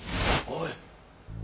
おい！